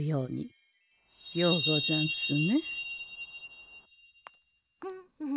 ようござんすね？